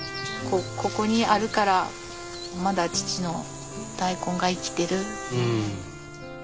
ここにあるからまだ父の大根が生きてる。